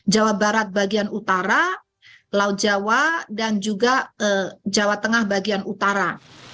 jawa barat bagian utara laut jawa dan juga jawa tengah bagian utara